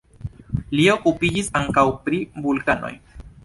Li okupiĝis ankaŭ pri vulkanoj.